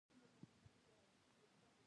د لعل انګور د خوړلو لپاره غوره دي.